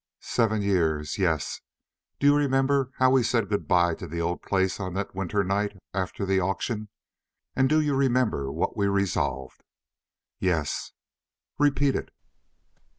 "Seven years! Yes. Do you remember how we said good bye to the old place on that winter night after the auction? And do you remember what we resolved?" "Yes." "Repeat it."